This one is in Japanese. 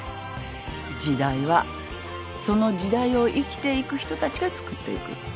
時代はその時代を生きていく人たちがつくっていく